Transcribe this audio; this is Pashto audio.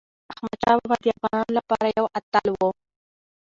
احمدشاه بابا د افغانانو لپاره یو اتل و.